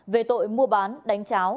về tội mua bán đánh cháo